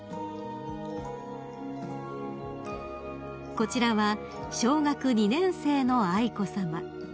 ［こちらは小学２年生の愛子さま］